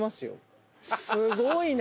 すごいな！